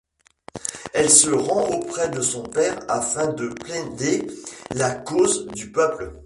Elle se rend auprès de son père afin de plaider la cause du peuple...